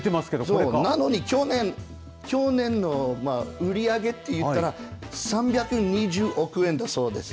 なのに去年の売り上げって言ったら３２０億円だそうです。